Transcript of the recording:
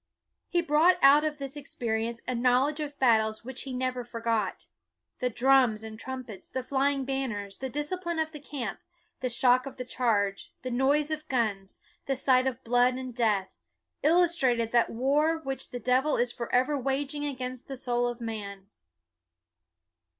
He brought out of this experience a knowledge of battles which he never forgot. The drums and trumpets, the flying ban ners, the discipline of the camp, the shock of the charge, the noise of guns, the sight of blood and death, illustrated that war which the devil is forever waging against the soul of man.